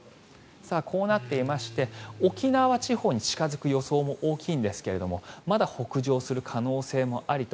こうなっていまして沖縄地方に近付く予想も大きいんですがまだ北上する可能性もありと。